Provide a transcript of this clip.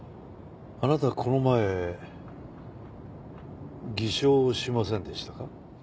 あなたこの前偽証しませんでしたか？